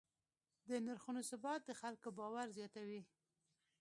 د نرخونو ثبات د خلکو باور زیاتوي.